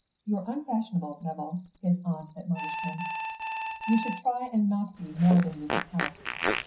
"You're unfashionable, Nevill," his aunt admonished him. "You should try and not be that more than you can help."